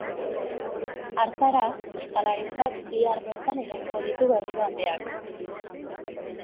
Hartara, ostalaritzak bihar bertan irekiko ditu berriro ateak.